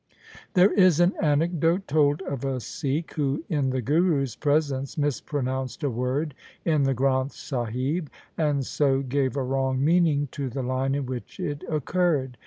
There is an anecdote told of a Sikh who in the Guru's presence mispronounced a word in the Granth Sahib, and so gave a wrong meaning to the line in which it occurred.